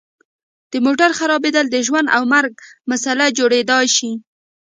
د موټر خرابیدل د ژوند او مرګ مسله جوړیدای شي